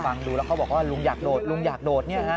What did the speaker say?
ฟังดูแล้วเขาบอกว่าลุงอยากโดดลุงอยากโดดเนี่ยฮะ